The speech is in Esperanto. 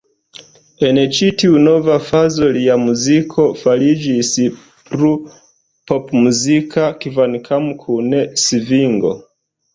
En ĉi-tiu nova fazo lia muziko fariĝis plu popmuzika, kvankam kun svingo.